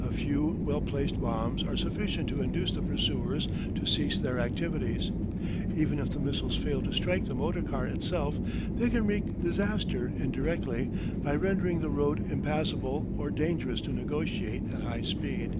A few well placed bombs are sufficient to induce the pursuers to cease their activities. Even if the missiles fail to strike the motor car itself they can wreak disaster in directly by rendering the road impassable or dangerous to negotiate at high speed.